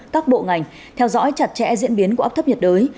các bộ ngành theo dõi chặt chẽ diễn biến của áp thấp nhiệt đới